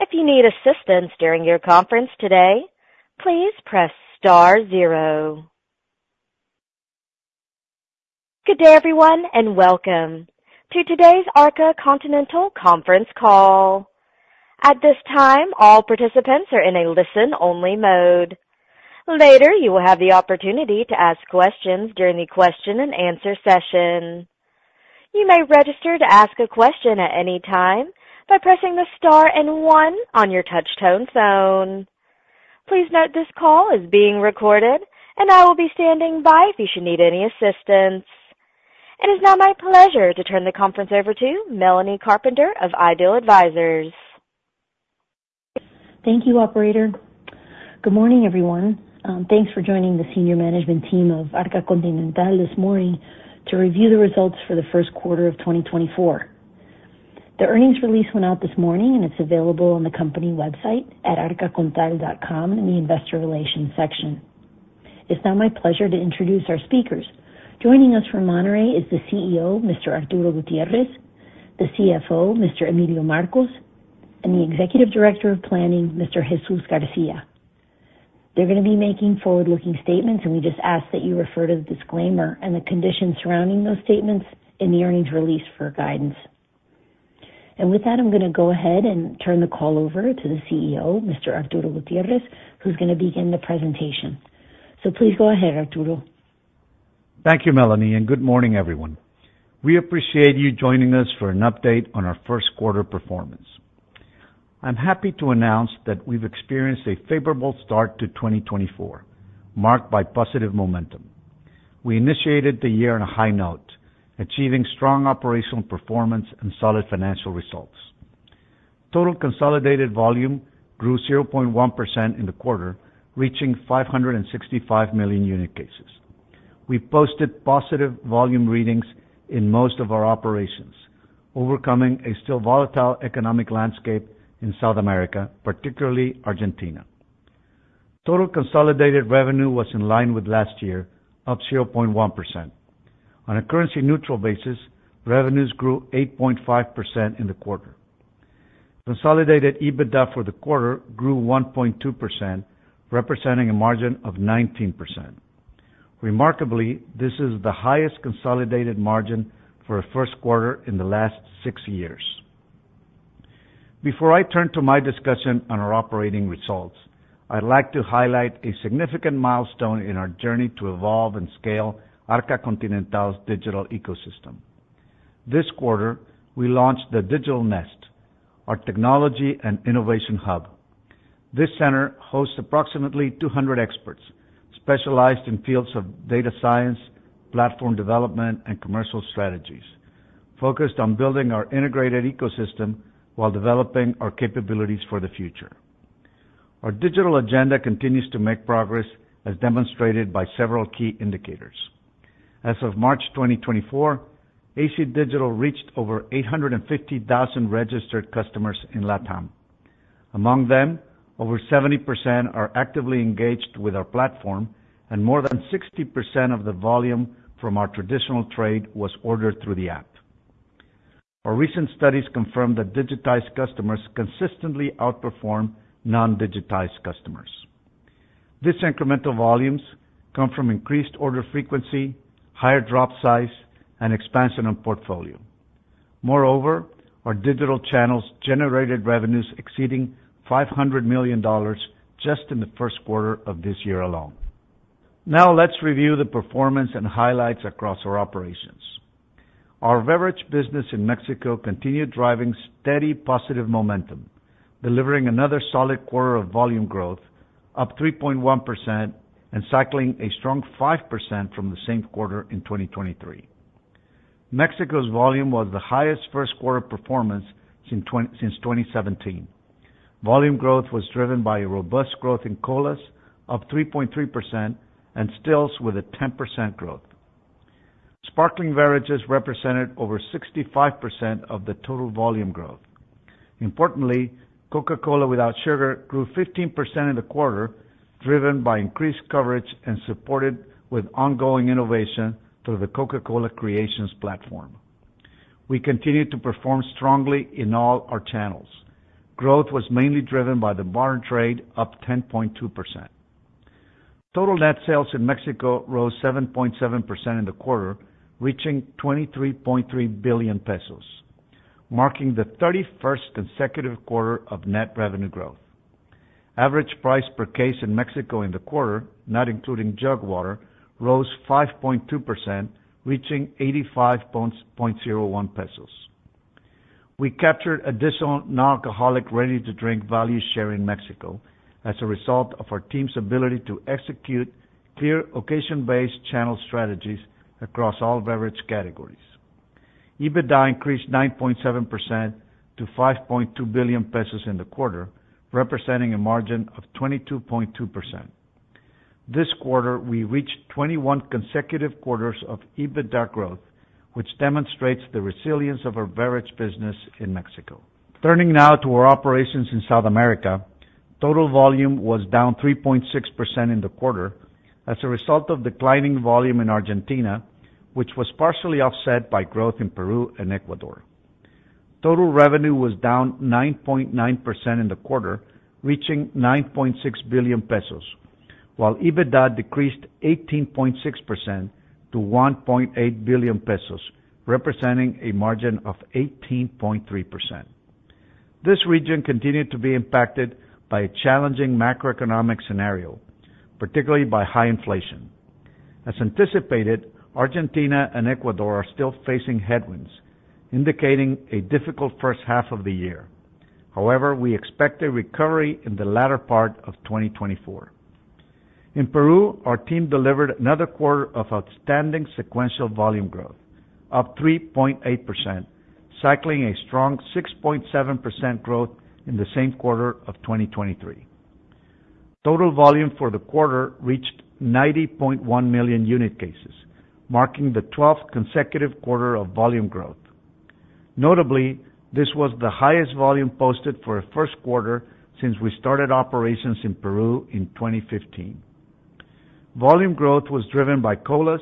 If you need assistance during your conference today, please press star zero. Good day, everyone, and welcome to today's Arca Continental conference call. At this time, all participants are in a listen-only mode. Later, you will have the opportunity to ask questions during the question-and-answer session. You may register to ask a question at any time by pressing the star and one on your touch-tone phone. Please note this call is being recorded, and I will be standing by if you should need any assistance. It is now my pleasure to turn the conference over to Melanie Carpenter of I-Advize. Thank you, operator. Good morning, everyone. Thanks for joining the senior management team of Arca Continental this morning to review the results for the first quarter of 2024. The earnings release went out this morning, and it's available on the company website at arcacontal.com in the investor relations section. It's now my pleasure to introduce our speakers. Joining us from Monterrey is the CEO, Mr. Arturo Gutiérrez, the CFO, Mr. Emilio Marcos, and the executive director of planning, Mr. Jesús García. They're going to be making forward-looking statements, and we just ask that you refer to the disclaimer and the conditions surrounding those statements in the earnings release for guidance. With that, I'm going to go ahead and turn the call over to the CEO, Mr. Arturo Gutiérrez, who's going to begin the presentation. Please go ahead, Arturo. Thank you, Melanie, and good morning, everyone. We appreciate you joining us for an update on our first quarter performance. I'm happy to announce that we've experienced a favorable start to 2024, marked by positive momentum. We initiated the year on a high note, achieving strong operational performance and solid financial results. Total consolidated volume grew 0.1% in the quarter, reaching 565 million unit cases. We posted positive volume readings in most of our operations, overcoming a still volatile economic landscape in South America, particularly Argentina. Total consolidated revenue was in line with last year, up 0.1%. On a currency-neutral basis, revenues grew 8.5% in the quarter. Consolidated EBITDA for the quarter grew 1.2%, representing a margin of 19%. Remarkably, this is the highest consolidated margin for a first quarter in the last six years. Before I turn to my discussion on our operating results, I'd like to highlight a significant milestone in our journey to evolve and scale Arca Continental's digital ecosystem. This quarter, we launched the Digital Nest, our technology and innovation hub. This center hosts approximately 200 experts specialized in fields of data science, platform development, and commercial strategies, focused on building our integrated ecosystem while developing our capabilities for the future. Our digital agenda continues to make progress, as demonstrated by several key indicators. As of March 2024, AC Digital reached over 850,000 registered customers in LATAM. Among them, over 70% are actively engaged with our platform, and more than 60% of the volume from our traditional trade was ordered through the app. Our recent studies confirm that digitized customers consistently outperform non-digitized customers. These incremental volumes come from increased order frequency, higher drop size, and expansion of portfolio. Moreover, our digital channels generated revenues exceeding $500 million just in the first quarter of this year alone. Now let's review the performance and highlights across our operations. Our beverage business in Mexico continued driving steady positive momentum, delivering another solid quarter of volume growth, up 3.1%, and cycling a strong 5% from the same quarter in 2023. Mexico's volume was the highest first-quarter performance since 2017. Volume growth was driven by a robust growth in colas, up 3.3%, and stills with a 10% growth. Sparkling beverages represented over 65% of the total volume growth. Importantly, Coca-Cola Without Sugar grew 15% in the quarter, driven by increased coverage and supported with ongoing innovation through the Coca-Cola Creations platform. We continue to perform strongly in all our channels. Growth was mainly driven by the traditional trade, up 10.2%. Total net sales in Mexico rose 7.7% in the quarter, reaching 23.3 billion pesos, marking the 31st consecutive quarter of net revenue growth. Average price per case in Mexico in the quarter, not including jug water, rose 5.2%, reaching 85.01 pesos. We captured additional non-alcoholic ready-to-drink value share in Mexico as a result of our team's ability to execute clear, occasion-based channel strategies across all beverage categories. EBITDA increased 9.7% to 5.2 billion pesos in the quarter, representing a margin of 22.2%. This quarter, we reached 21 consecutive quarters of EBITDA growth, which demonstrates the resilience of our beverage business in Mexico. Turning now to our operations in South America, total volume was down 3.6% in the quarter as a result of declining volume in Argentina, which was partially offset by growth in Peru and Ecuador. Total revenue was down 9.9% in the quarter, reaching 9.6 billion pesos, while EBITDA decreased 18.6% to 1.8 billion pesos, representing a margin of 18.3%. This region continued to be impacted by a challenging macroeconomic scenario, particularly by high inflation. As anticipated, Argentina and Ecuador are still facing headwinds, indicating a difficult first half of the year. However, we expect a recovery in the latter part of 2024. In Peru, our team delivered another quarter of outstanding sequential volume growth, up 3.8%, cycling a strong 6.7% growth in the same quarter of 2023. Total volume for the quarter reached 90.1 million unit cases, marking the 12th consecutive quarter of volume growth. Notably, this was the highest volume posted for a first quarter since we started operations in Peru in 2015. Volume growth was driven by colas,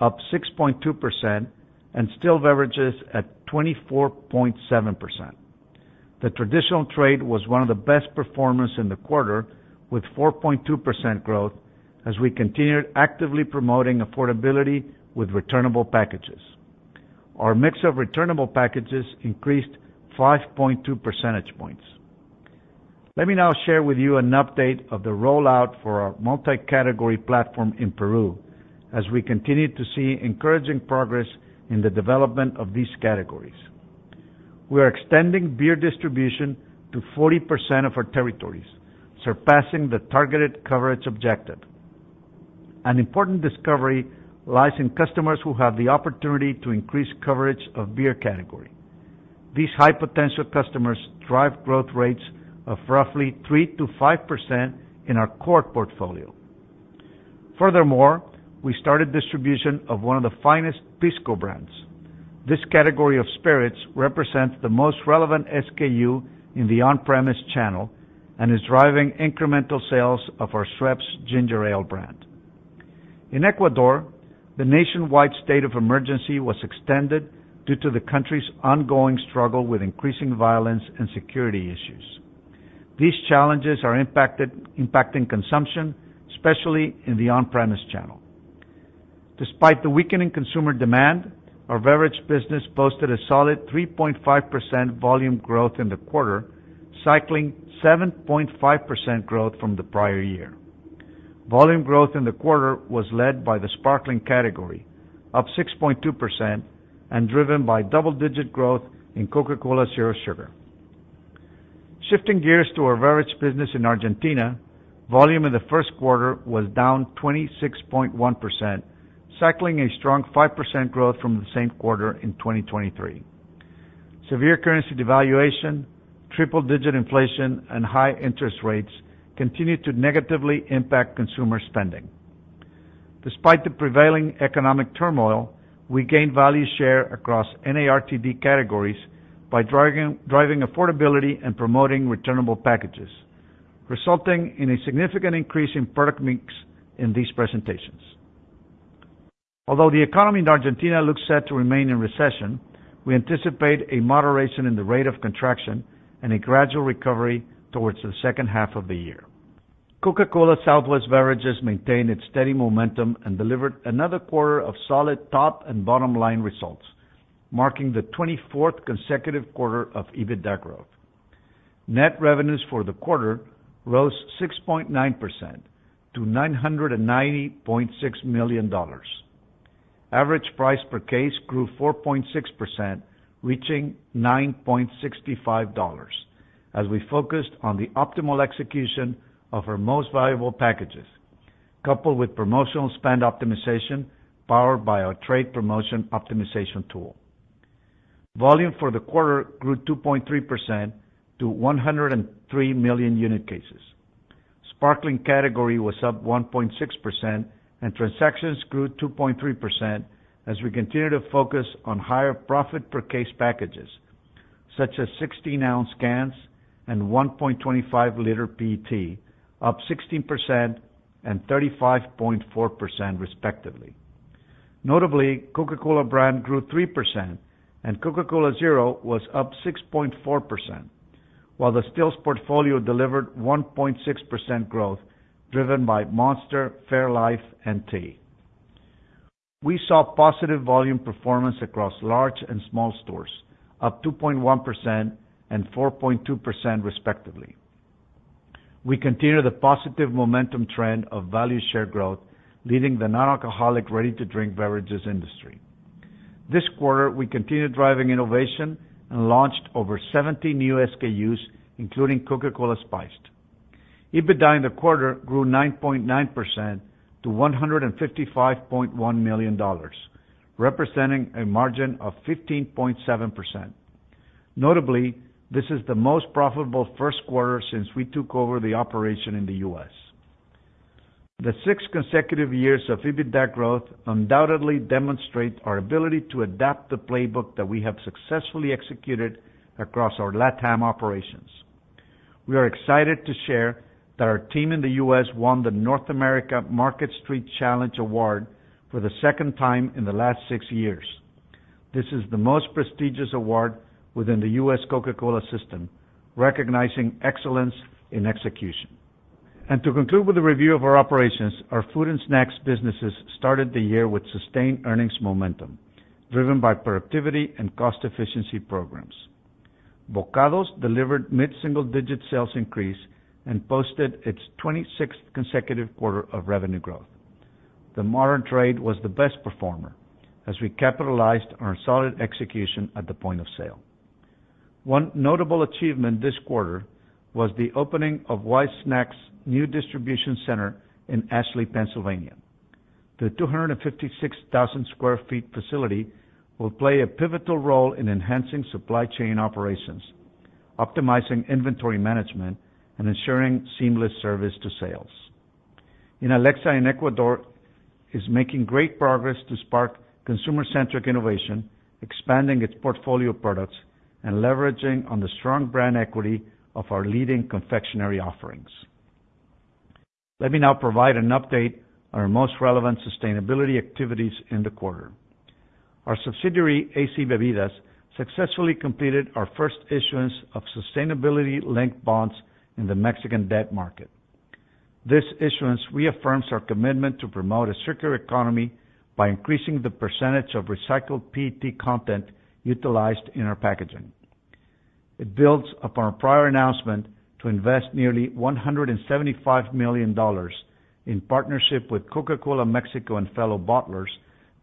up 6.2%, and still beverages at 24.7%. The Traditional Trade was one of the best performers in the quarter, with 4.2% growth as we continued actively promoting affordability with returnable packages. Our mix of returnable packages increased 5.2 percentage points. Let me now share with you an update of the rollout for our multi-category platform in Peru, as we continue to see encouraging progress in the development of these categories. We are extending beer distribution to 40% of our territories, surpassing the targeted coverage objective. An important discovery lies in customers who have the opportunity to increase coverage of beer category. These high-potential customers drive growth rates of roughly 3%-5% in our core portfolio. Furthermore, we started distribution of one of the finest Pisco brands. This category of spirits represents the most relevant SKU in the on-premise channel and is driving incremental sales of our Schweppes Ginger Ale brand. In Ecuador, the nationwide state of emergency was extended due to the country's ongoing struggle with increasing violence and security issues. These challenges are impacting consumption, especially in the on-premise channel. Despite the weakening consumer demand, our beverage business posted a solid 3.5% volume growth in the quarter, cycling 7.5% growth from the prior year. Volume growth in the quarter was led by the sparkling category, up 6.2%, and driven by double-digit growth in Coca-Cola Zero Sugar. Shifting gears to our beverage business in Argentina, volume in the first quarter was down 26.1%, cycling a strong 5% growth from the same quarter in 2023. Severe currency devaluation, triple-digit inflation, and high interest rates continue to negatively impact consumer spending. Despite the prevailing economic turmoil, we gained value share across NARTD categories by driving affordability and promoting returnable packages, resulting in a significant increase in product mix in these presentations. Although the economy in Argentina looks set to remain in recession, we anticipate a moderation in the rate of contraction and a gradual recovery towards the second half of the year. Coca-Cola Southwest Beverages maintained its steady momentum and delivered another quarter of solid top and bottom line results, marking the 24th consecutive quarter of EBITDA growth. Net revenues for the quarter rose 6.9% to $990.6 million. Average price per case grew 4.6%, reaching $9.65, as we focused on the optimal execution of our most valuable packages, coupled with promotional spend optimization powered by our trade promotion optimization tool. Volume for the quarter grew 2.3% to 103 million unit cases. Sparkling category was up 1.6%, and transactions grew 2.3% as we continue to focus on higher profit-per-case packages, such as 16-ounce cans and 1.25-liter PET, up 16% and 35.4%, respectively. Notably, Coca-Cola brand grew 3%, and Coca-Cola Zero was up 6.4%, while the stills portfolio delivered 1.6% growth driven by Monster, Fairlife, and Tea. We saw positive volume performance across large and small stores, up 2.1% and 4.2%, respectively. We continue the positive momentum trend of value share growth, leading the non-alcoholic ready-to-drink beverages industry. This quarter, we continued driving innovation and launched over 70 new SKUs, including Coca-Cola Spiced. EBITDA in the quarter grew 9.9% to $155.1 million, representing a margin of 15.7%. Notably, this is the most profitable first quarter since we took over the operation in the U.S. The 6 consecutive years of EBITDA growth undoubtedly demonstrate our ability to adapt the playbook that we have successfully executed across our LATAM operations. We are excited to share that our team in the U.S. won the North America Market Street Challenge Award for the second time in the last six years. This is the most prestigious award within the U.S. Coca-Cola system, recognizing excellence in execution. To conclude with a review of our operations, our food and snacks businesses started the year with sustained earnings momentum, driven by productivity and cost-efficiency programs. Bokados delivered mid-single-digit sales increase and posted its 26th consecutive quarter of revenue growth. The Modern Trade was the best performer as we capitalized on our solid execution at the point of sale. One notable achievement this quarter was the opening of Wise Snacks' new distribution center in Ashley, Pennsylvania. The 256,000 sq ft facility will play a pivotal role in enhancing supply chain operations, optimizing inventory management, and ensuring seamless service to sales. Inalecsa, Ecuador is making great progress to spark consumer-centric innovation, expanding its portfolio products, and leveraging on the strong brand equity of our leading confectionery offerings. Let me now provide an update on our most relevant sustainability activities in the quarter. Our subsidiary, AC Bebidas, successfully completed our first issuance of sustainability-linked bonds in the Mexican debt market. This issuance reaffirms our commitment to promote a circular economy by increasing the percentage of recycled PET content utilized in our packaging. It builds upon our prior announcement to invest nearly $175 million in partnership with Coca-Cola Mexico and fellow bottlers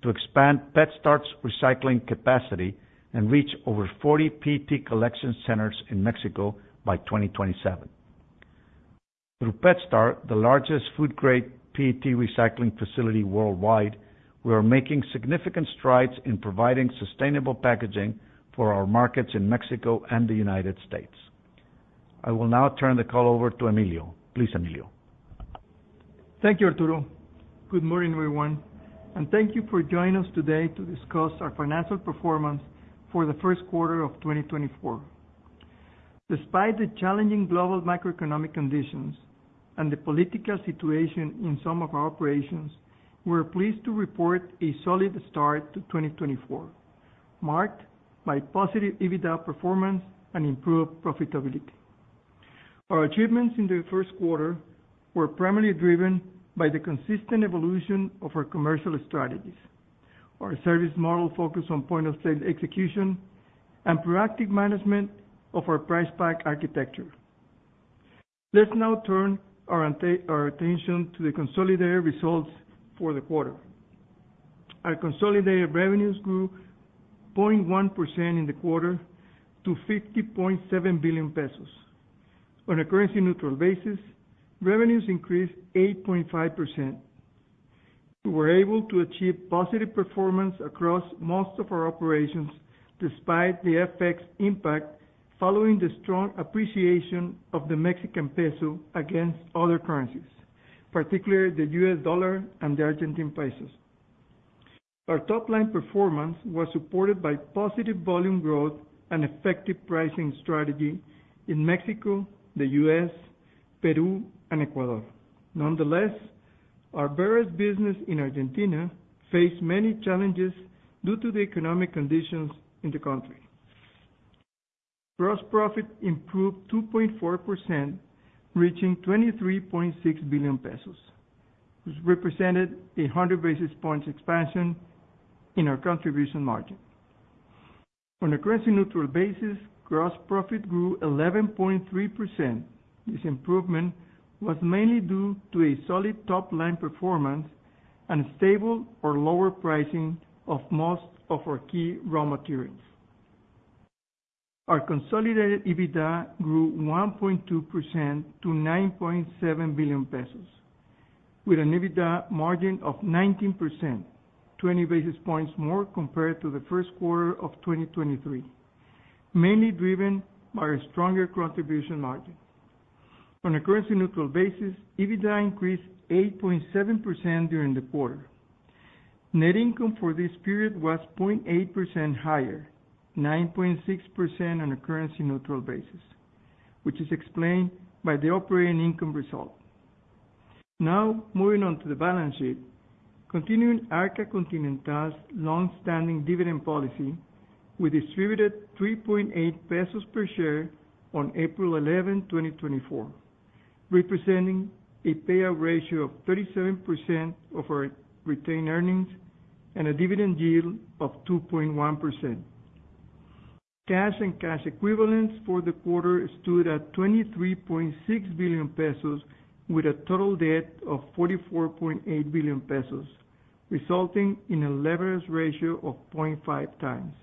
to expand PetStar's recycling capacity and reach over 40 PET collection centers in Mexico by 2027. Through PetStar, the largest food-grade PET recycling facility worldwide, we are making significant strides in providing sustainable packaging for our markets in Mexico and the United States. I will now turn the call over to Emilio. Please, Emilio. Thank you, Arturo. Good morning, everyone. Thank you for joining us today to discuss our financial performance for the first quarter of 2024. Despite the challenging global macroeconomic conditions and the political situation in some of our operations, we are pleased to report a solid start to 2024, marked by positive EBITDA performance and improved profitability. Our achievements in the first quarter were primarily driven by the consistent evolution of our commercial strategies, our service model focused on point-of-sale execution, and proactive management of our Price Pack Architecture. Let's now turn our attention to the consolidated results for the quarter. Our consolidated revenues grew 0.1% in the quarter to 50.7 billion pesos. On a currency-neutral basis, revenues increased 8.5%. We were able to achieve positive performance across most of our operations despite the FX impact following the strong appreciation of the Mexican peso against other currencies, particularly the U.S. dollar and the Argentine pesos. Our top-line performance was supported by positive volume growth and effective pricing strategy in Mexico, the U.S., Peru, and Ecuador. Nonetheless, our beverage business in Argentina faced many challenges due to the economic conditions in the country. Gross profit improved 2.4%, reaching $23.6 billion, which represented a 100 basis points expansion in our contribution margin. On a currency-neutral basis, gross profit grew 11.3%. This improvement was mainly due to a solid top-line performance and stable or lower pricing of most of our key raw materials. Our consolidated EBITDA grew 1.2% to $9.7 billion, with an EBITDA margin of 19%, 20 basis points more compared to the first quarter of 2023, mainly driven by a stronger contribution margin. On a currency-neutral basis, EBITDA increased 8.7% during the quarter. Net income for this period was 0.8% higher, 9.6% on a currency-neutral basis, which is explained by the operating income result. Now, moving on to the balance sheet, continuing Arca Continental's longstanding dividend policy with distributed $3.8 per share on April 11, 2024, representing a payout ratio of 37% of our retained earnings and a dividend yield of 2.1%. Cash and cash equivalents for the quarter stood at $23.6 billion, with a total debt of $44.8 billion, resulting in a leverage ratio of 0.5 times.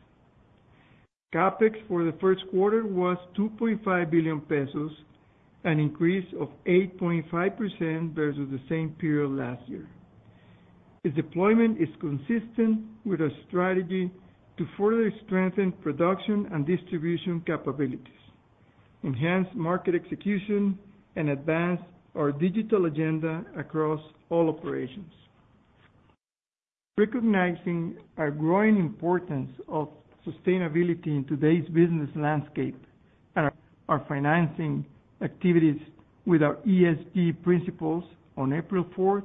CapEx for the first quarter was $2.5 billion, an increase of 8.5% versus the same period last year. Its deployment is consistent with our strategy to further strengthen production and distribution capabilities, enhance market execution, and advance our digital agenda across all operations. Recognizing our growing importance of sustainability in today's business landscape and our financing activities with our ESG principles on April 4th,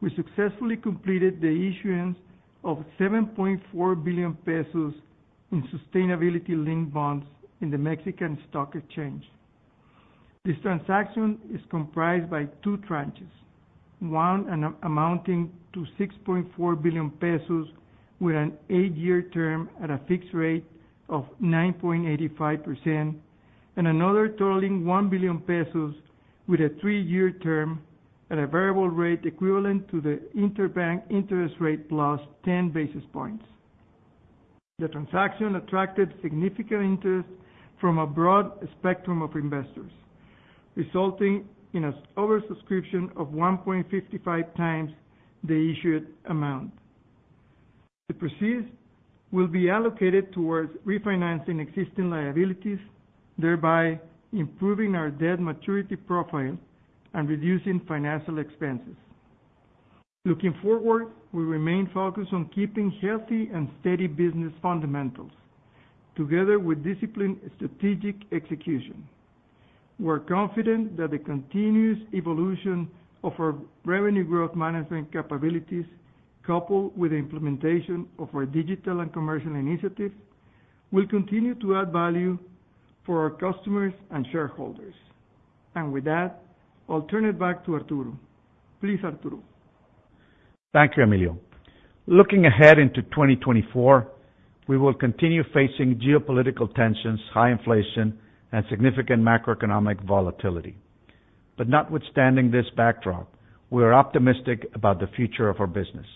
we successfully completed the issuance of $7.4 billion in Sustainability-Linked Bonds in the Mexican Stock Exchange. This transaction is comprised by two tranches, one amounting to $6.4 billion with an 8-year term at a fixed rate of 9.85%, and another totaling $1 billion with a 3-year term at a variable rate equivalent to the interbank interest rate plus 10 basis points. The transaction attracted significant interest from a broad spectrum of investors, resulting in an oversubscription of 1.55 times the issued amount. The proceeds will be allocated towards refinancing existing liabilities, thereby improving our debt maturity profile and reducing financial expenses. Looking forward, we remain focused on keeping healthy and steady business fundamentals together with disciplined strategic execution. We are confident that the continuous evolution of our revenue growth management capabilities, coupled with the implementation of our digital and commercial initiatives, will continue to add value for our customers and shareholders. With that, I'll turn it back to Arturo. Please, Arturo. Thank you, Emilio. Looking ahead into 2024, we will continue facing geopolitical tensions, high inflation, and significant macroeconomic volatility. But notwithstanding this backdrop, we are optimistic about the future of our business.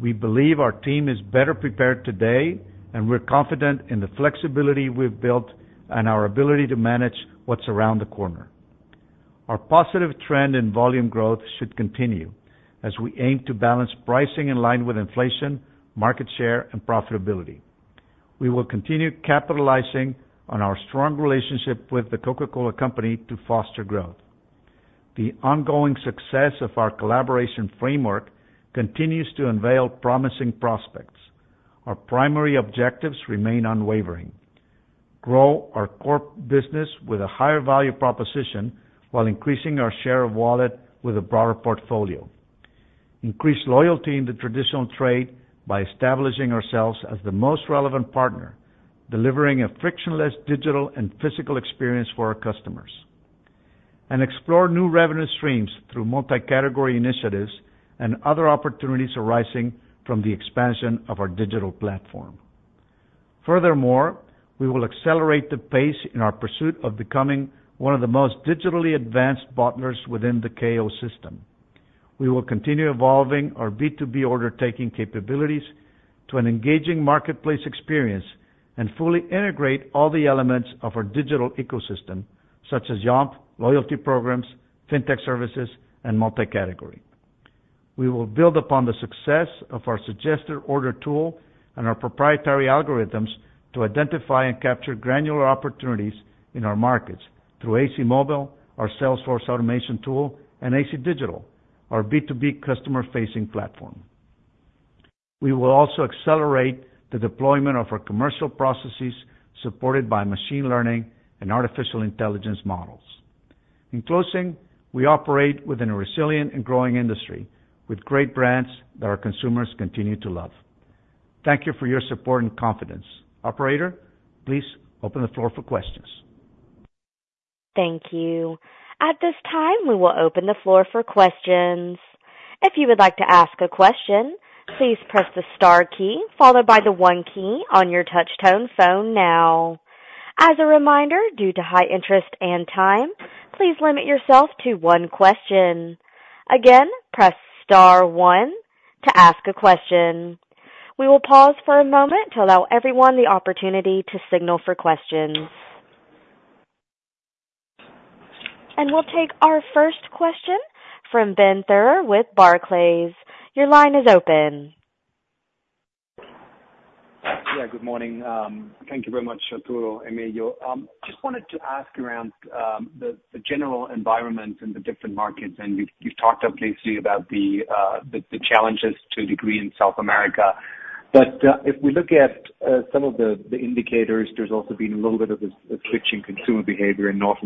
We believe our team is better prepared today, and we're confident in the flexibility we've built and our ability to manage what's around the corner. Our positive trend in volume growth should continue as we aim to balance pricing in line with inflation, market share, and profitability. We will continue capitalizing on our strong relationship with the Coca-Cola Company to foster growth. The ongoing success of our collaboration framework continues to unveil promising prospects. Our primary objectives remain unwavering: grow our core business with a higher value proposition while increasing our share of wallet with a broader portfolio; increase loyalty in the traditional trade by establishing ourselves as the most relevant partner, delivering a frictionless digital and physical experience for our customers; and explore new revenue streams through multi-category initiatives and other opportunities arising from the expansion of our digital platform. Furthermore, we will accelerate the pace in our pursuit of becoming one of the most digitally advanced bottlers within the KO system. We will continue evolving our B2B order-taking capabilities to an engaging marketplace experience and fully integrate all the elements of our digital ecosystem, such as Yomp!, loyalty programs, fintech services, and multi-category. We will build upon the success of our suggested order tool and our proprietary algorithms to identify and capture granular opportunities in our markets through AC Mobile, our Salesforce automation tool, and AC Digital, our B2B customer-facing platform. We will also accelerate the deployment of our commercial processes supported by machine learning and artificial intelligence models. In closing, we operate within a resilient and growing industry with great brands that our consumers continue to love. Thank you for your support and confidence. Operator, please open the floor for questions. Thank you. At this time, we will open the floor for questions. If you would like to ask a question, please press the star key followed by the one key on your touch-tone phone now. As a reminder, due to high interest and time, please limit yourself to one question. Again, press star one to ask a question. We will pause for a moment to allow everyone the opportunity to signal for questions. We'll take our first question from Ben Theurer with Barclays. Your line is open. Yeah, good morning. Thank you very much, Arturo and Emilio. I just wanted to ask around the general environment and the different markets. You've talked obviously about the challenges to date in South America. If we look at some of the indicators, there's also been a little bit of a switch in consumer behavior in North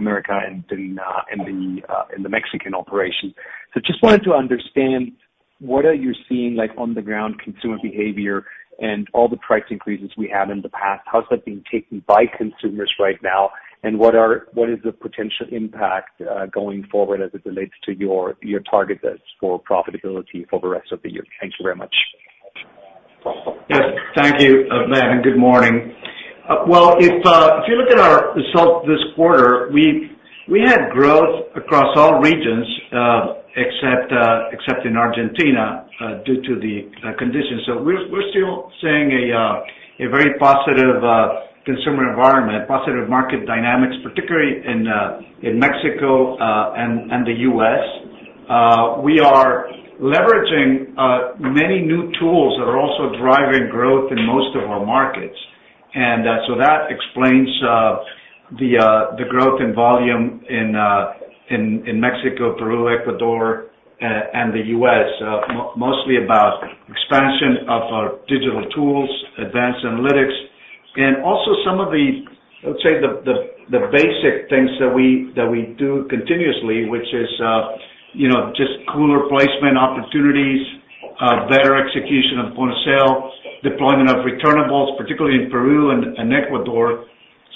America and in the Mexican operation. I just wanted to understand, what are you seeing on the ground consumer behavior and all the price increases we had in the past? How's that being taken by consumers right now? And what is the potential impact going forward as it relates to your targets for profitability for the rest of the year? Thank you very much. Yes, thank you, Madam. Good morning. Well, if you look at our results this quarter, we had growth across all regions except in Argentina due to the conditions. So we're still seeing a very positive consumer environment, positive market dynamics, particularly in Mexico and the US. We are leveraging many new tools that are also driving growth in most of our markets. And so that explains the growth in volume in Mexico, Peru, Ecuador, and the US, mostly about expansion of our digital tools, advanced analytics, and also some of the, I would say, the basic things that we do continuously, which is just cooler placement opportunities, better execution of point of sale, deployment of returnables, particularly in Peru and Ecuador.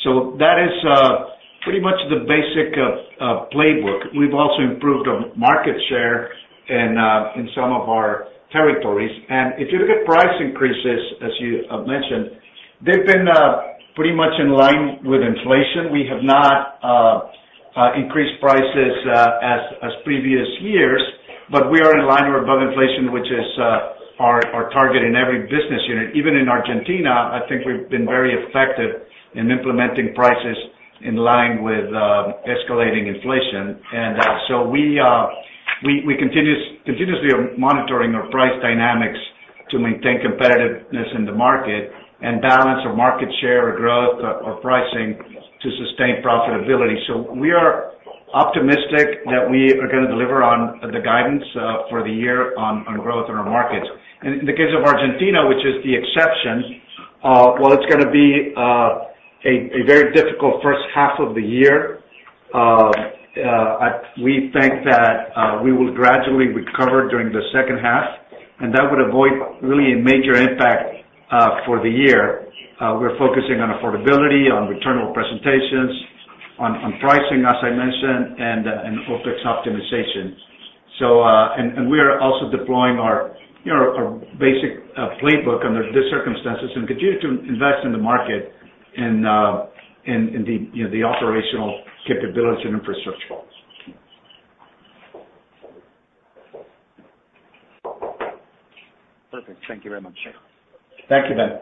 So that is pretty much the basic playbook. We've also improved our market share in some of our territories. If you look at price increases, as you mentioned, they've been pretty much in line with inflation. We have not increased prices as previous years, but we are in line or above inflation, which is our target in every business unit. Even in Argentina, I think we've been very effective in implementing prices in line with escalating inflation. So we continuously are monitoring our price dynamics to maintain competitiveness in the market and balance our market share or growth or pricing to sustain profitability. We are optimistic that we are going to deliver on the guidance for the year on growth in our markets. In the case of Argentina, which is the exception, well, it's going to be a very difficult first half of the year. We think that we will gradually recover during the second half, and that would avoid really a major impact for the year. We're focusing on affordability, on returnable presentations, on pricing, as I mentioned, and OpEx optimization. And we are also deploying our basic playbook under these circumstances and continue to invest in the market and the operational capabilities and infrastructure. Perfect. Thank you very much. Thank you, Ben.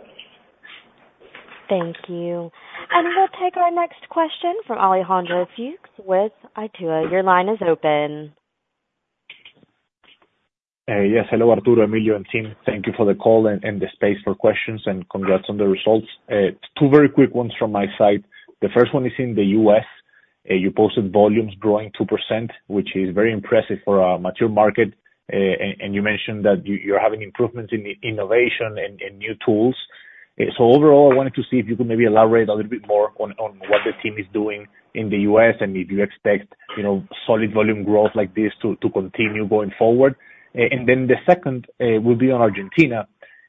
Thank you. And we'll take our next question from Alejandro Fuchs with Itaú. Your line is open. Yes. Hello, Arturo, Emilio, and team. Thank you for the call and the space for questions, and congrats on the results. Two very quick ones from my side. The first one is in the U.S. You posted volumes growing 2%, which is very impressive for a mature market. And you mentioned that you're having improvements in innovation and new tools. So overall, I wanted to see if you could maybe elaborate a little bit more on what the team is doing in the U.S. and if you expect solid volume growth like this to continue going forward. And then the second will be on Argentina.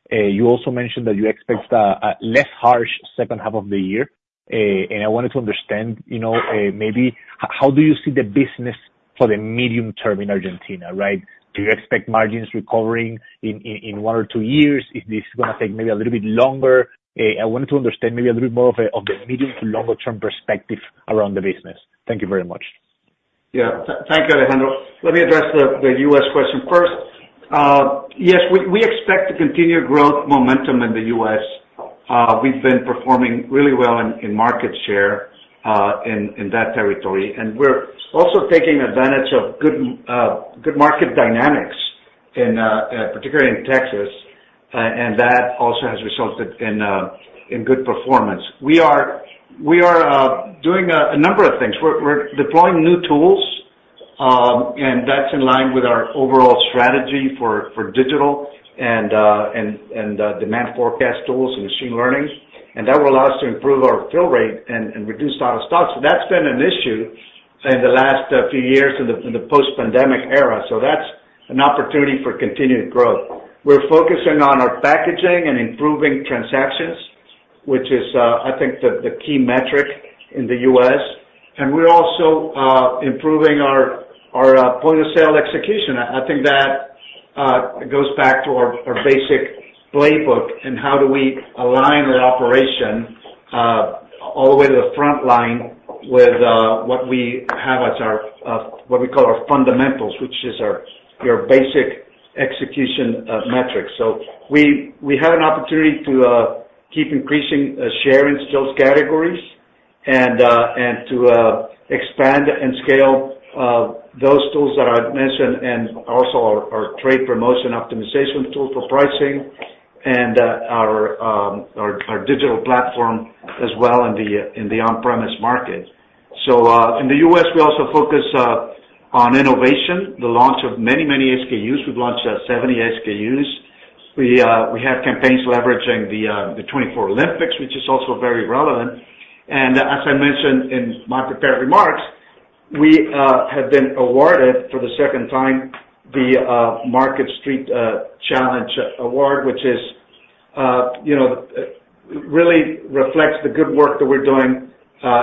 You also mentioned that you expect a less harsh second half of the year. And I wanted to understand maybe how do you see the business for the medium term in Argentina, right? Do you expect margins recovering in one or two years? Is this going to take maybe a little bit longer? I wanted to understand maybe a little bit more of the medium to longer-term perspective around the business. Thank you very much. Yeah. Thank you, Alejandro. Let me address the U.S. question first. Yes, we expect to continue growth momentum in the U.S. We've been performing really well in market share in that territory. We're also taking advantage of good market dynamics, particularly in Texas, and that also has resulted in good performance. We are doing a number of things. We're deploying new tools, and that's in line with our overall strategy for digital and demand forecast tools and machine learning. That will allow us to improve our fill rate and reduce out-of-stock. That's been an issue in the last few years in the post-pandemic era. That's an opportunity for continued growth. We're focusing on our packaging and improving transactions, which is, I think, the key metric in the U.S. We're also improving our point of sale execution. I think that goes back to our basic playbook and how do we align our operation all the way to the front line with what we have as what we call our fundamentals, which is our basic execution metrics. So we have an opportunity to keep increasing share in SKU categories and to expand and scale those tools that I mentioned and also our trade promotion optimization tool for pricing and our digital platform as well in the on-premise market. So in the U.S., we also focus on innovation, the launch of many, many SKUs. We've launched 70 SKUs. We have campaigns leveraging the 2024 Olympics, which is also very relevant. As I mentioned in my prepared remarks, we have been awarded for the second time the Market Street Challenge Award, which really reflects the good work that we're doing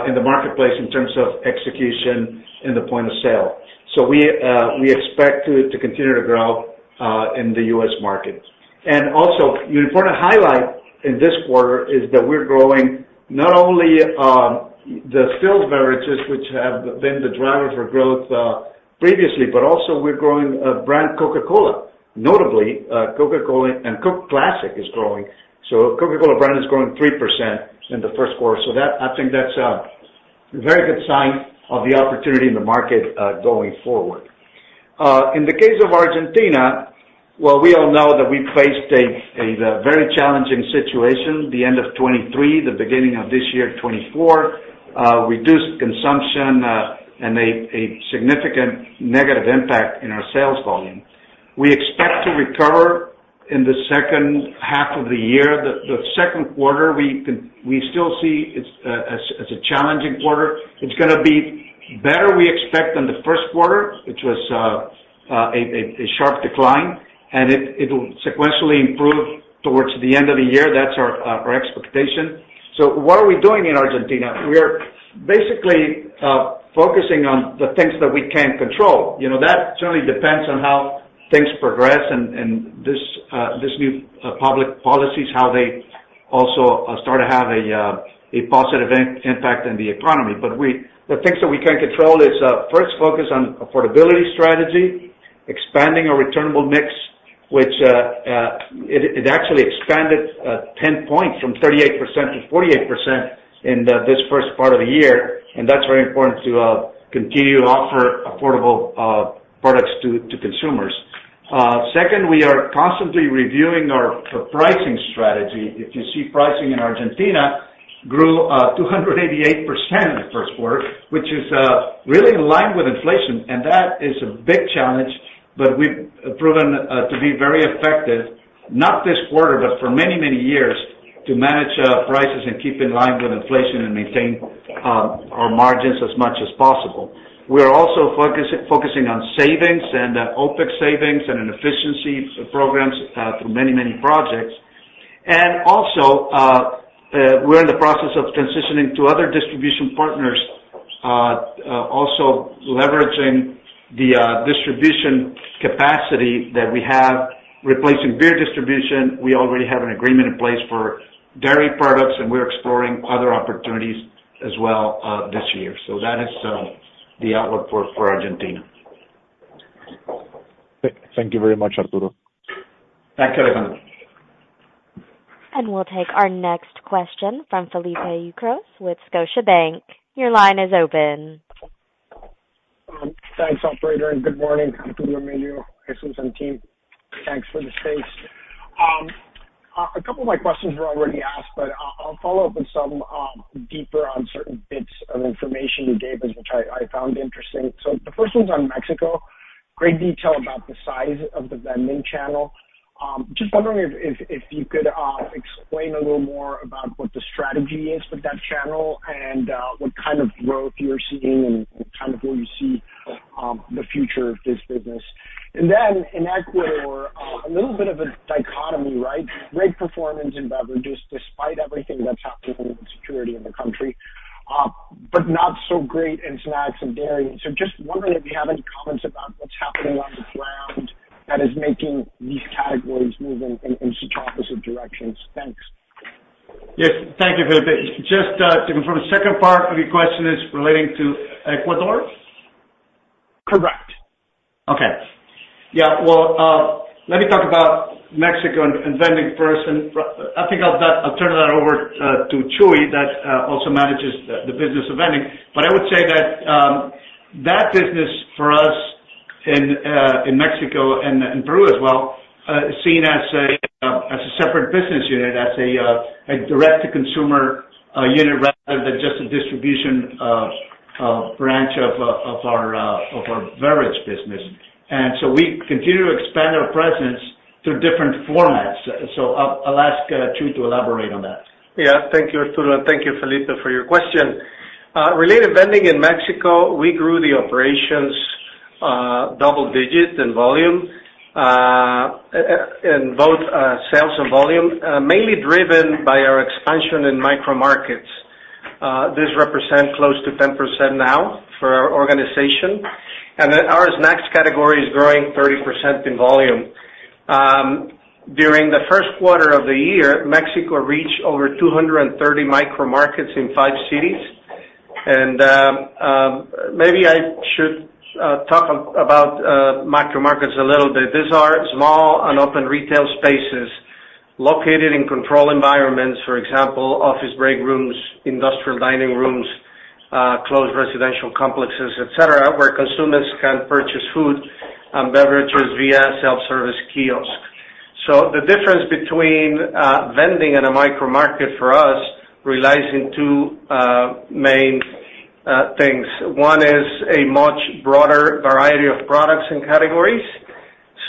in the marketplace in terms of execution and the point of sale. So we expect to continue to grow in the U.S. market. Also, an important highlight in this quarter is that we're growing not only the still beverages, which have been the driver for growth previously, but also we're growing a brand, Coca-Cola. Notably, Coca-Cola and Coke Classic is growing. So Coca-Cola brand is growing 3% in the first quarter. So I think that's a very good sign of the opportunity in the market going forward. In the case of Argentina, well, we all know that we faced a very challenging situation at the end of 2023, the beginning of this year, 2024, with reduced consumption, and a significant negative impact in our sales volume. We expect to recover in the second half of the year. The second quarter, we still see it as a challenging quarter. It's going to be better, we expect, than the first quarter, which was a sharp decline. And it will sequentially improve towards the end of the year. That's our expectation. So what are we doing in Argentina? We are basically focusing on the things that we can control. That certainly depends on how things progress and these new public policies, how they also start to have a positive impact in the economy. But the things that we can control is first focus on affordability strategy, expanding our returnable mix, which it actually expanded 10 points from 38% to 48% in this first part of the year. And that's very important to continue to offer affordable products to consumers. Second, we are constantly reviewing our pricing strategy. If you see pricing in Argentina, it grew 288% in the first quarter, which is really in line with inflation. And that is a big challenge. But we've proven to be very effective, not this quarter, but for many, many years, to manage prices and keep in line with inflation and maintain our margins as much as possible. We are also focusing on savings and OpEx savings and efficiency programs through many, many projects. And also, we're in the process of transitioning to other distribution partners, also leveraging the distribution capacity that we have, replacing beer distribution. We already have an agreement in place for dairy products, and we're exploring other opportunities as well this year. So that is the outlook for Argentina. Thank you very much, Arturo. Thank you, Alejandro. And we'll take our next question from Felipe Ucros with Scotiabank. Your line is open. Thanks, operator. And good morning, Arturo, Emilio, Jesús, and team. Thanks for the space. A couple of my questions were already asked, but I'll follow up with some deeper on certain bits of information you gave us, which I found interesting. So the first one's on Mexico. Great detail about the size of the vending channel. Just wondering if you could explain a little more about what the strategy is for that channel and what kind of growth you're seeing and kind of where you see the future of this business. And then in Ecuador, a little bit of a dichotomy, right? Great performance in beverages despite everything that's happening with security in the country, but not so great in snacks and dairy. So just wondering if you have any comments about what's happening on the ground that is making these categories move in such opposite directions. Thanks. Yes. Thank you, Felipe. Just from the second part of your question, is relating to Ecuador? Correct. Okay. Yeah. Well, let me talk about Mexico and vending first. I think I'll turn that over to Charur that also manages the business of vending. But I would say that that business for us in Mexico and Peru as well is seen as a separate business unit, as a direct-to-consumer unit rather than just a distribution branch of our beverage business. And so we continue to expand our presence through different formats. So I'll ask Charur to elaborate on that. Yeah. Thank you, Arturo. And thank you, Felipe, for your question. Regarding vending in Mexico, we grew the operations double-digit in volume, in both sales and volume, mainly driven by our expansion in micro-markets. This represents close to 10% now for our organization. And then our snacks category is growing 30% in volume. During the first quarter of the year, Mexico reached over 230 micro-markets in five cities. And maybe I should talk about micro-markets a little bit. These are small and open retail spaces located in control environments, for example, office break rooms, industrial dining rooms, closed residential complexes, etc., where consumers can purchase food and beverages via self-service kiosks. The difference between vending and a micro-market for us relies on two main things. One is a much broader variety of products and categories.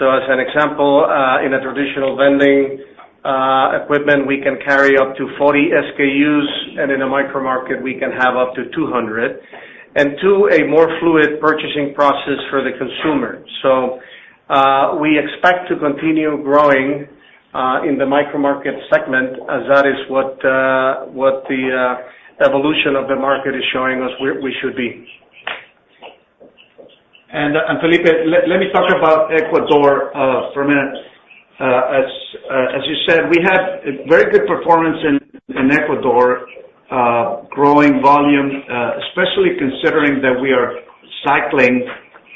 As an example, in a traditional vending equipment, we can carry up to 40 SKUs. In a micro-market, we can have up to 200. Two, a more fluid purchasing process for the consumer. We expect to continue growing in the micro-market segment as that is what the evolution of the market is showing us we should be. Felipe, let me talk about Ecuador for a minute. As you said, we have very good performance in Ecuador, growing volume, especially considering that we are cycling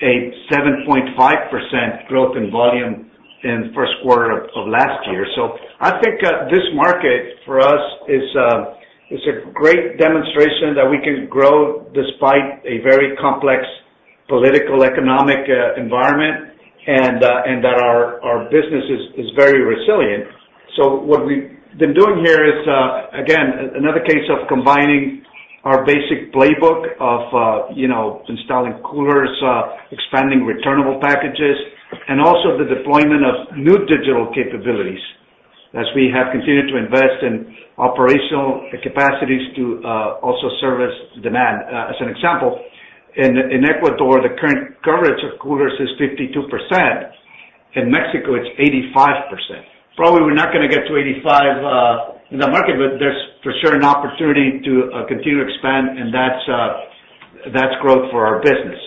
a 7.5% growth in volume in the first quarter of last year. I think this market for us is a great demonstration that we can grow despite a very complex political-economic environment and that our business is very resilient. What we've been doing here is, again, another case of combining our basic playbook of installing coolers, expanding returnable packages, and also the deployment of new digital capabilities as we have continued to invest in operational capacities to also service demand. As an example, in Ecuador, the current coverage of coolers is 52%. In Mexico, it's 85%. Probably, we're not going to get to 85% in the market, but there's for sure an opportunity to continue to expand, and that's growth for our business.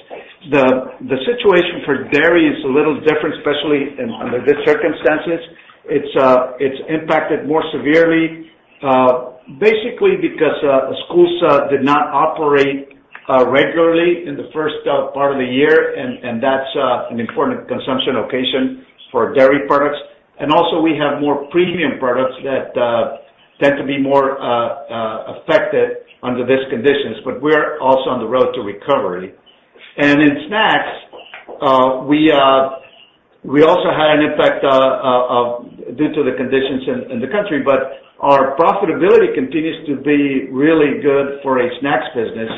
The situation for dairy is a little different, especially under these circumstances. It's impacted more severely, basically because schools did not operate regularly in the first part of the year. That's an important consumption occasion for dairy products. Also, we have more premium products that tend to be more affected under these conditions. But we're also on the road to recovery. In snacks, we also had an impact due to the conditions in the country. But our profitability continues to be really good for a snacks business.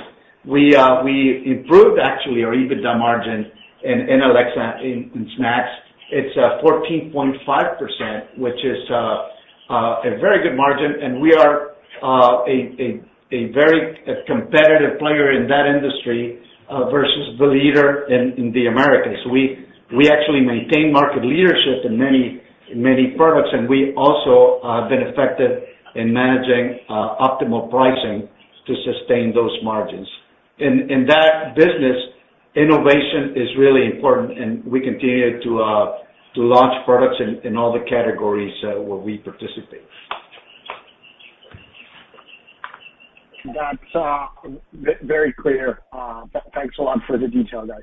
We improved, actually, our EBITDA margin in Latin America in snacks. It's 14.5%, which is a very good margin. We are a very competitive player in that industry versus the leader in the Americas. We actually maintain market leadership in many products. We also have been effective in managing optimal pricing to sustain those margins. In that business, innovation is really important. And we continue to launch products in all the categories where we participate. That's very clear. Thanks a lot for the detail, guys.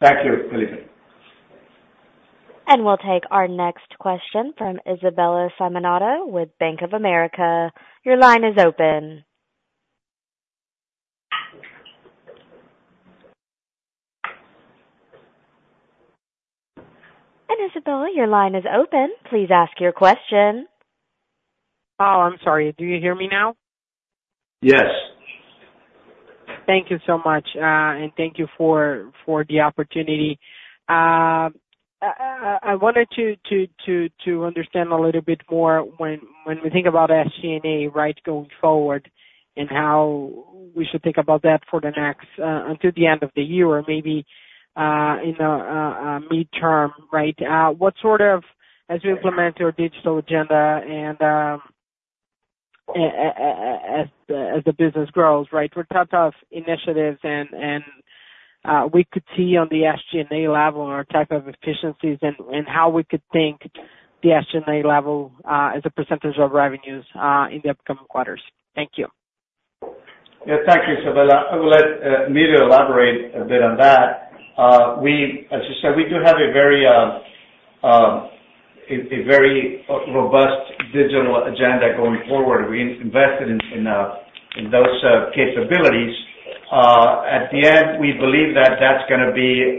Thank you, Felipe. And we'll take our next question from Isabella Simonato with Bank of America. Your line is open. And Isabella, your line is open. Please ask your question. Oh, I'm sorry. Do you hear me now? Yes. Thank you so much. And thank you for the opportunity. I wanted to understand a little bit more when we think about SG&A, right, going forward and how we should think about that until the end of the year or maybe in the midterm, right, what sort of as we implement our digital agenda and as the business grows, right, we're taught of initiatives. We could see on the SG&A level our type of efficiencies and how we could think the SG&A level as a percentage of revenues in the upcoming quarters. Thank you. Yeah. Thank you, Isabella. I will let Emilio elaborate a bit on that. As you said, we do have a very robust digital agenda going forward. We invested in those capabilities. At the end, we believe that that's going to be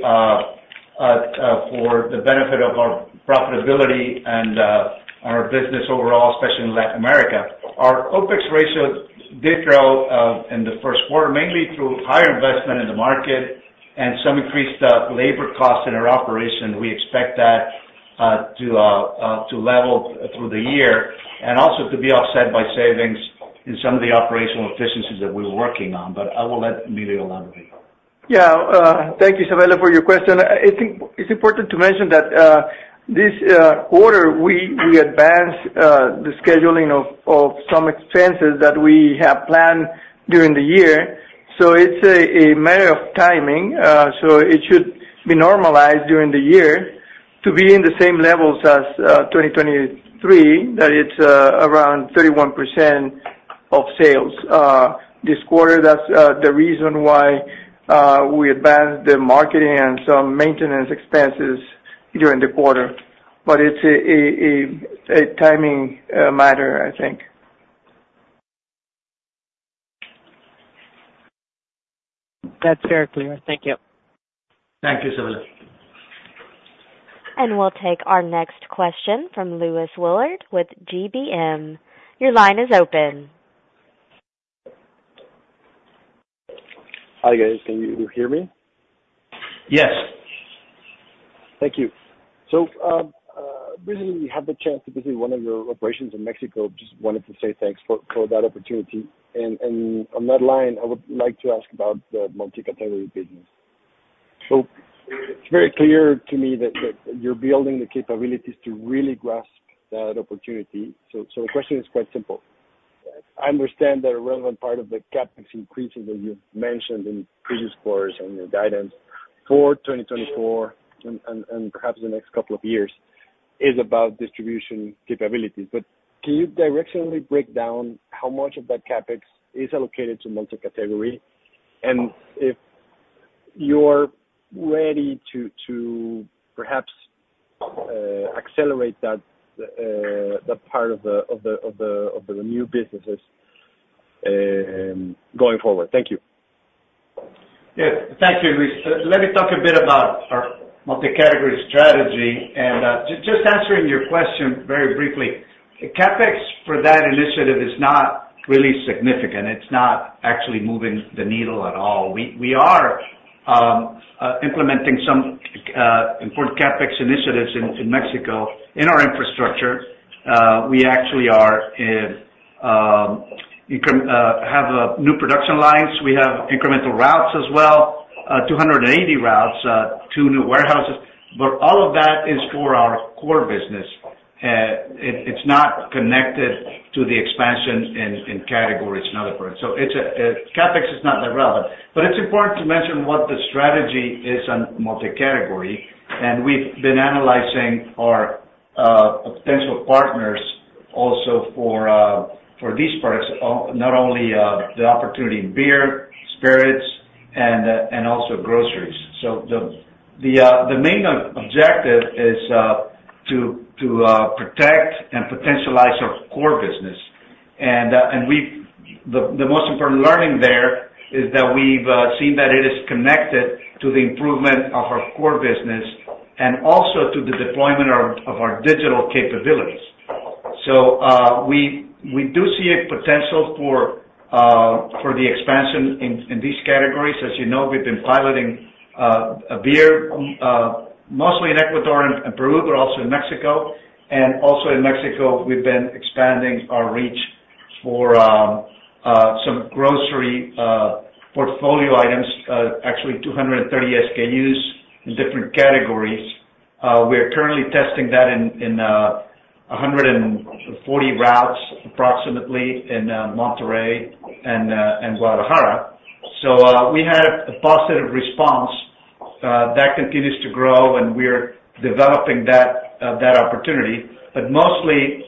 for the benefit of our profitability and our business overall, especially in Latin America. Our OPEX ratio did grow in the first quarter, mainly through higher investment in the market and some increased labor costs in our operation. We expect that to level through the year and also to be offset by savings in some of the operational efficiencies that we're working on. But I will let Emilio elaborate. Yeah. Thank you, Isabella, for your question. It's important to mention that this quarter, we advanced the scheduling of some expenses that we have planned during the year. So it's a matter of timing. So it should be normalized during the year to be in the same levels as 2023, that it's around 31% of sales. This quarter, that's the reason why we advanced the marketing and some maintenance expenses during the quarter. But it's a timing matter, I think. That's very clear. Thank you. Thank you, Isabella. And we'll take our next question from Luis Willard with GBM. Your line is open. Hi, guys. Can you hear me? Yes. Thank you. So recently, we had the chance to visit one of your operations in Mexico. Just wanted to say thanks for that opportunity. And on that line, I would like to ask about the multi-category business. So it's very clear to me that you're building the capabilities to really grasp that opportunity. The question is quite simple. I understand that a relevant part of the CapEx increases that you've mentioned in previous quarters and your guidance for 2024 and perhaps the next couple of years is about distribution capabilities. But can you directionally break down how much of that CapEx is allocated to multi-category and if you're ready to perhaps accelerate that part of the new businesses going forward? Thank you. Yeah. Thank you, Luis. Let me talk a bit about our multi-category strategy. Just answering your question very briefly, CapEx for that initiative is not really significant. It's not actually moving the needle at all. We are implementing some important CapEx initiatives in Mexico in our infrastructure. We actually have new production lines. We have incremental routes as well, 280 routes, 2 new warehouses. But all of that is for our core business. It's not connected to the expansion in categories in other parts. So Capex is not that relevant. But it's important to mention what the strategy is on multi-category. And we've been analyzing our potential partners also for these products, not only the opportunity in beer, spirits, and also groceries. So the main objective is to protect and potentialize our core business. And the most important learning there is that we've seen that it is connected to the improvement of our core business and also to the deployment of our digital capabilities. So we do see a potential for the expansion in these categories. As you know, we've been piloting beer, mostly in Ecuador and Peru, but also in Mexico. Also in Mexico, we've been expanding our reach for some grocery portfolio items, actually 230 SKUs in different categories. We're currently testing that in 140 routes approximately in Monterrey and Guadalajara. So we had a positive response. That continues to grow. And we're developing that opportunity. But mostly,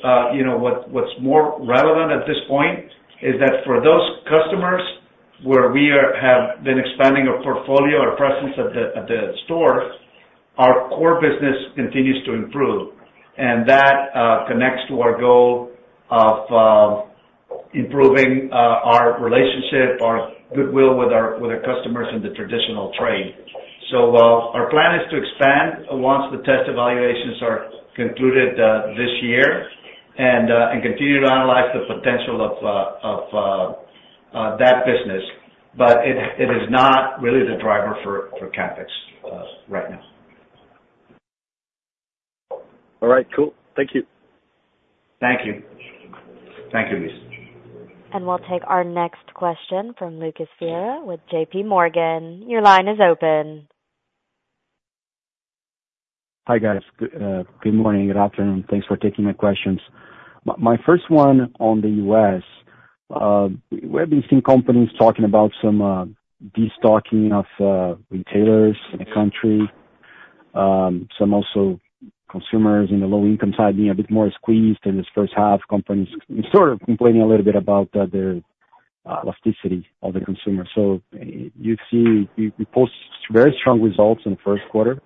what's more relevant at this point is that for those customers where we have been expanding our portfolio, our presence at the store, our core business continues to improve. And that connects to our goal of improving our relationship, our goodwill with our customers in the traditional trade. So our plan is to expand once the test evaluations are concluded this year and continue to analyze the potential of that business. But it is not really the driver for Capex right now. All right. Cool. Thank you. Thank you. Thank you, Luis. And we'll take our next question from Lucas Ferreira with J.P. Morgan. Your line is open. Hi, guys. Good morning. Good afternoon. Thanks for taking my questions. My first one on the US, we have been seeing companies talking about some destocking of retailers in the country, some also consumers in the low-income side being a bit more squeezed in this first half, companies sort of complaining a little bit about the elasticity of the consumer. So you post very strong results in the first quarter.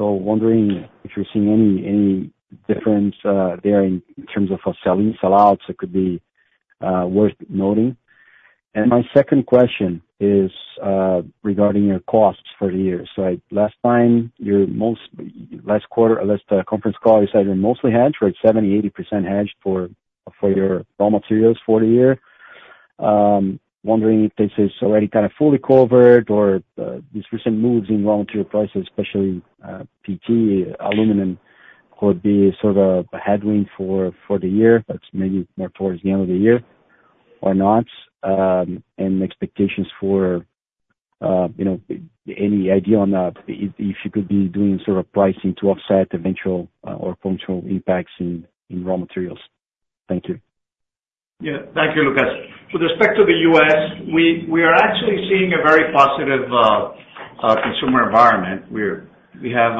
So wondering if you're seeing any difference there in terms of selling sellouts that could be worth noting. And my second question is regarding your costs for the year. So last time, last quarter, last conference call, you said you're mostly hedged, right, 70%-80% hedged for your raw materials for the year. Wondering if this is already kind of fully covered or these recent moves in raw material prices, especially PET, aluminum, could be sort of a headwind for the year. That's maybe more towards the end of the year or not and expectations for any idea on if you could be doing sort of pricing to offset eventual or potential impacts in raw materials. Thank you. Yeah. Thank you, Lucas. With respect to the U.S., we are actually seeing a very positive consumer environment. We have,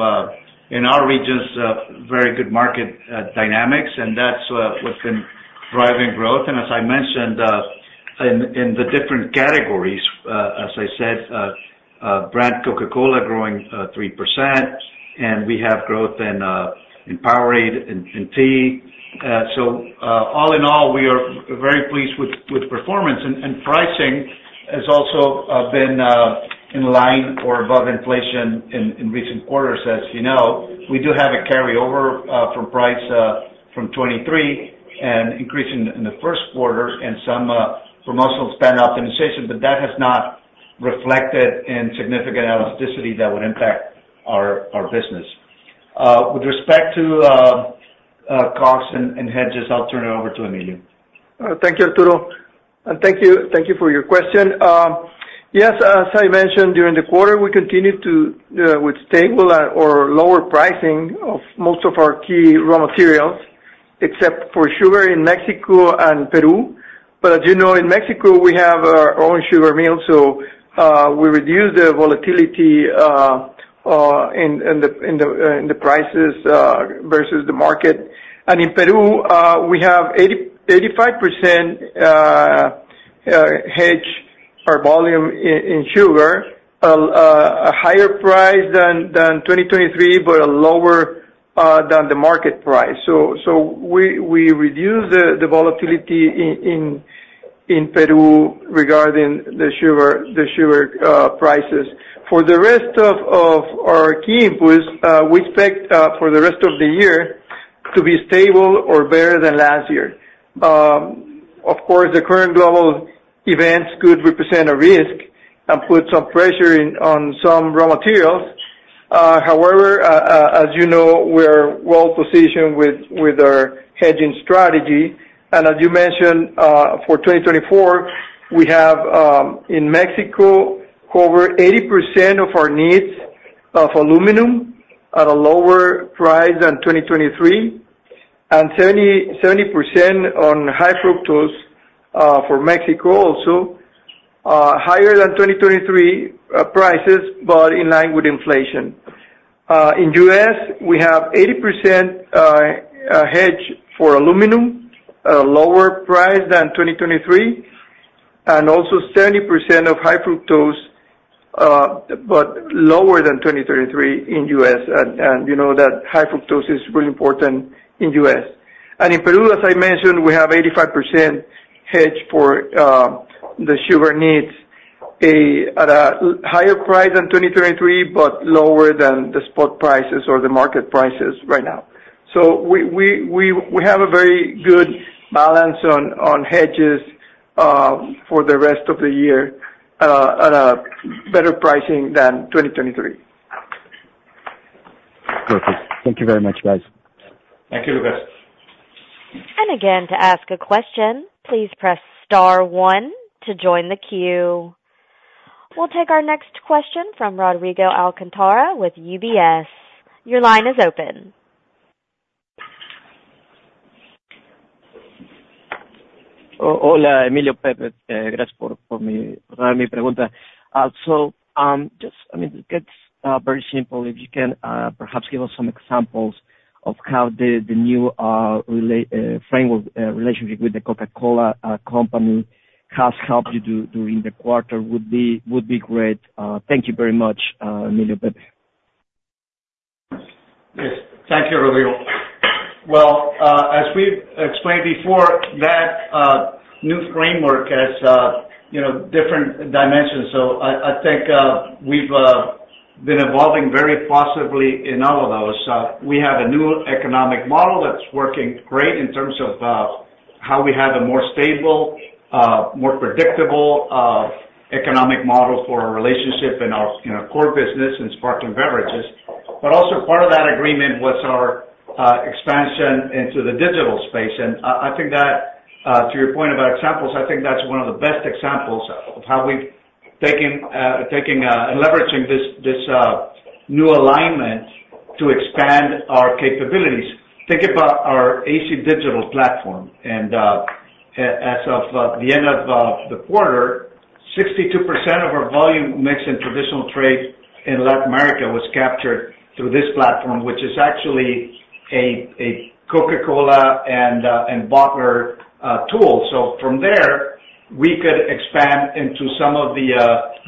in our regions, very good market dynamics. That's what's been driving growth. As I mentioned, in the different categories, as I said, brand Coca-Cola growing 3%. We have growth in Powerade and tea. So all in all, we are very pleased with performance. Pricing has also been in line or above inflation in recent quarters. As you know, we do have a carryover from price from 2023 and increase in the first quarter and some promotional spend optimization. But that has not reflected in significant elasticity that would impact our business. With respect to costs and hedges, I'll turn it over to Emilio. Thank you, Arturo. And thank you for your question. Yes. As I mentioned, during the quarter, we continued with stable or lower pricing of most of our key raw materials, except for sugar in Mexico and Peru. But as you know, in Mexico, we have our own sugar mill. So we reduce the volatility in the prices versus the market. And in Peru, we have 85% hedged our volume in sugar, a higher price than 2023 but lower than the market price. So we reduce the volatility in Peru regarding the sugar prices. For the rest of our key inputs, we expect for the rest of the year to be stable or better than last year. Of course, the current global events could represent a risk and put some pressure on some raw materials. However, as you know, we're well positioned with our hedging strategy. And as you mentioned, for 2024, we have, in Mexico, covered 80% of our needs of aluminum at a lower price than 2023 and 70% on High Fructose for Mexico also, higher than 2023 prices but in line with inflation. In the U.S., we have 80% hedged for aluminum at a lower price than 2023 and also 70% of High Fructose but lower than 2023 in the U.S. And you know that High Fructose is really important in the U.S. In Peru, as I mentioned, we have 85% hedged for the sugar needs at a higher price than 2023 but lower than the spot prices or the market prices right now. We have a very good balance on hedges for the rest of the year at a better pricing than 2023. Perfect. Thank you very much, guys. Thank you, Lucas. Again, to ask a question, please press star one to join the queue. We'll take our next question from Rodrigo Alcantara with UBS. Your line is open. Hola, Emilio. Por favor. Gracias por darme pregunta. So just, I mean, to keep it very simple, if you can perhaps give us some examples of how the new framework relationship with the Coca-Cola Company has helped you during the quarter would be great. Thank you very much, Emilio. Por favor. Yes. Thank you, Rodrigo. Well, as we've explained before, that new framework has different dimensions. So I think we've been evolving very positively in all of those. We have a new economic model that's working great in terms of how we have a more stable, more predictable economic model for our relationship in our core business and sparkling beverages. But also part of that agreement was our expansion into the digital space. And I think that, to your point about examples, I think that's one of the best examples of how we've taken and leveraging this new alignment to expand our capabilities. Think about our AC Digital platform. And as of the end of the quarter, 62% of our volume mix in traditional trade in Latin America was captured through this platform, which is actually a Coca-Cola and bottler tool. So from there, we could expand into some of the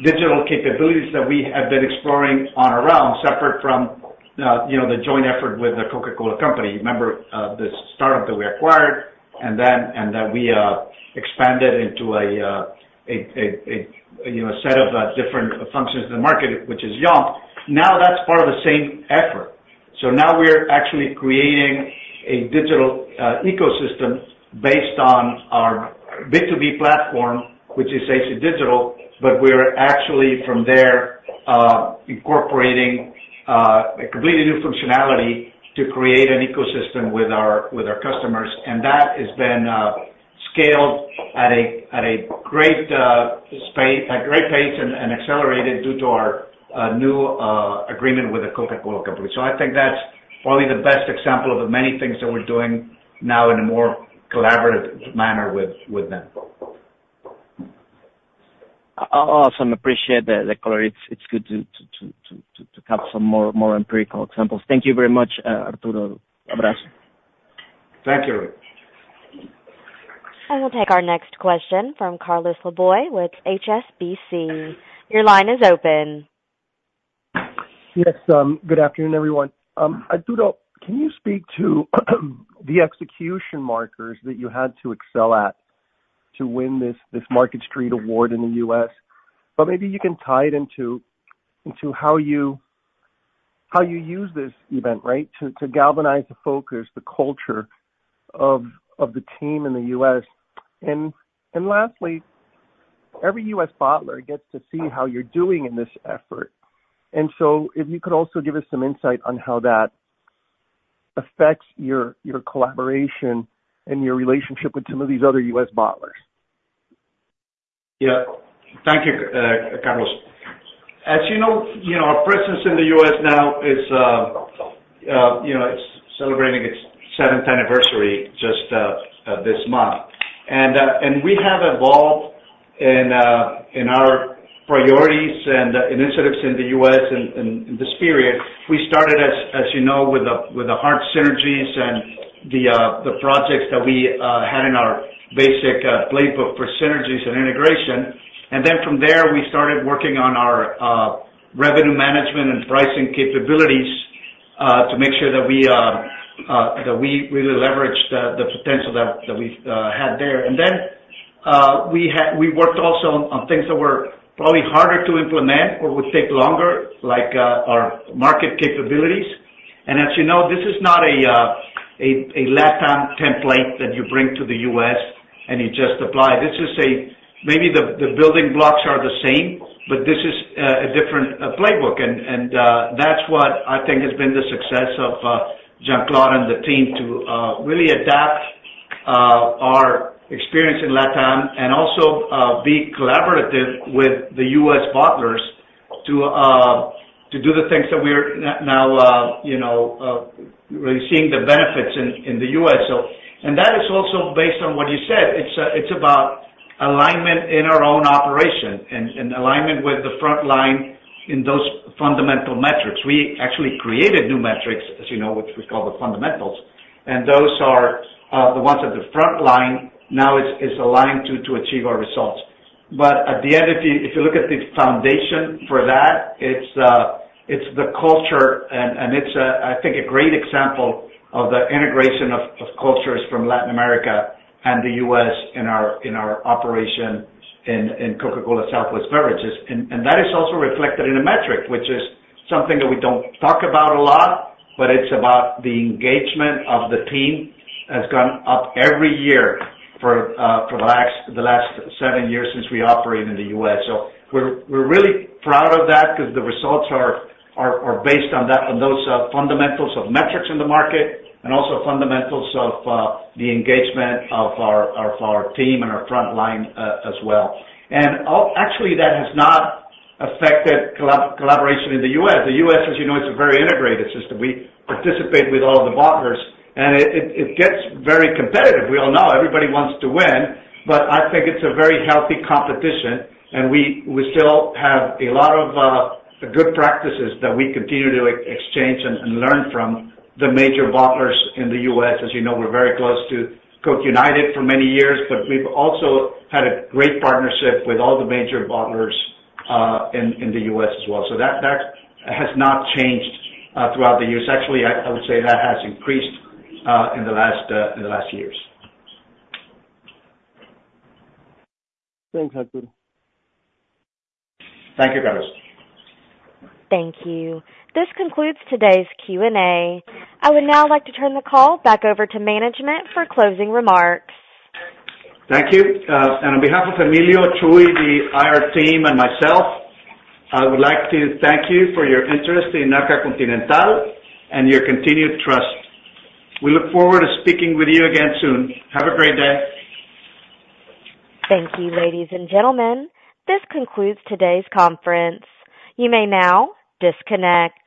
digital capabilities that we have been exploring on our own, separate from the joint effort with the Coca-Cola Company. You remember the startup that we acquired and that we expanded into a set of different functions in the market, which is Yomp. Now, that's part of the same effort. So now, we're actually creating a digital ecosystem based on our B2B platform, which is AC Digital. But we're actually, from there, incorporating a completely new functionality to create an ecosystem with our customers. And that has been scaled at a great pace and accelerated due to our new agreement with the Coca-Cola Company. So I think that's probably the best example of the many things that we're doing now in a more collaborative manner with them. Awesome. Appreciate the color. It's good to have some more empirical examples. Thank you very much, Arturo. Abrazo. Thank you, Luis. And we'll take our next question from Carlos Laboy with HSBC. Your line is open. Yes. Good afternoon, everyone. Arturo, can you speak to the execution markers that you had to excel at to win this Market Street Award in the US? But maybe you can tie it into how you use this event, right, to galvanize the focus, the culture of the team in the US. And lastly, every US bottler gets to see how you're doing in this effort. And so if you could also give us some insight on how that affects your collaboration and your relationship with some of these other US bottlers. Yeah. Thank you, Carlos. As you know, our presence in the US now is celebrating its 7th anniversary just this month. We have evolved in our priorities and initiatives in the U.S. in this period. We started, as you know, with the hard synergies and the projects that we had in our basic playbook for synergies and integration. Then from there, we started working on our revenue management and pricing capabilities to make sure that we really leveraged the potential that we had there. Then we worked also on things that were probably harder to implement or would take longer, like our market capabilities. As you know, this is not a laydown template that you bring to the U.S. and you just apply. Maybe the building blocks are the same, but this is a different playbook. That's what I think has been the success of Jean-Claude and the team, to really adapt our experience in LATAM and also be collaborative with the U.S. bottlers to do the things that we're now really seeing the benefits in the U.S. That is also based on what you said. It's about alignment in our own operation and alignment with the frontline in those fundamental metrics. We actually created new metrics, as you know, which we call the fundamentals. Those are the ones that the frontline now is aligned to achieve our results. But at the end, if you look at the foundation for that, it's the culture. It's, I think, a great example of the integration of cultures from Latin America and the U.S. in our operation in Coca-Cola Southwest Beverages. That is also reflected in a metric, which is something that we don't talk about a lot, but it's about the engagement of the team that's gone up every year for the last seven years since we operate in the U.S. So we're really proud of that because the results are based on those fundamentals of metrics in the market and also fundamentals of the engagement of our team and our frontline as well. Actually, that has not affected collaboration in the U.S. The U.S., as you know, it's a very integrated system. We participate with all of the bottlers. It gets very competitive. We all know. Everybody wants to win. But I think it's a very healthy competition. We still have a lot of good practices that we continue to exchange and learn from the major bottlers in the U.S. As you know, we're very close to Coke United for many years. But we've also had a great partnership with all the major bottlers in the U.S. as well. So that has not changed throughout the years. Actually, I would say that has increased in the last years. Thanks, Arturo. Thank you, Carlos. Thank you. This concludes today's Q&A. I would now like to turn the call back over to management for closing remarks. Thank you. And on behalf of Emilio Charur, the IR team, and myself, I would like to thank you for your interest in Arca Continental and your continued trust. We look forward to speaking with you again soon. Have a great day. Thank you, ladies and gentlemen. This concludes today's conference. You may now disconnect.